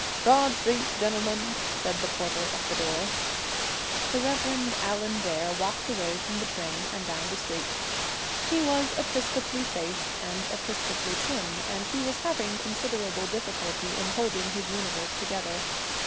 'Broad Street, gentlemen,' said the porter at the door. The Reverend Allan Dare walked away from the train and down the street. He was Episcopally faced and Episcopally trim, and he was having considerable difficulty in holding his universe together.